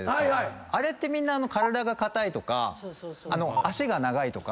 あれって体が硬いとか脚が長いとか。